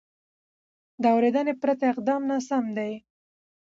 د اورېدنې پرته اقدام ناسم دی.